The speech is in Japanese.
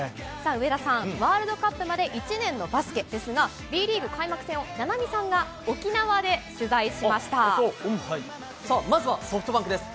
上田さん、ワールドカップまで１年のバスケですが、Ｂリーグ開幕戦を、菜波さんが沖縄で取材そう、まずはソフトバンクです。